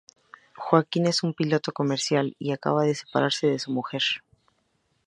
Joaquín es un piloto comercial y acaba de separarse de su mujer.